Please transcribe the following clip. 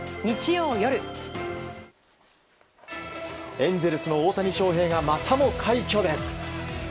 エンゼルスの大谷翔平がまたも快挙です。